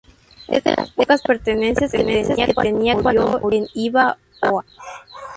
Es de las pocas pertenencias que tenía cuando murió en Hiva Oa.